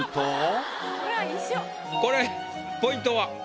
これポイントは？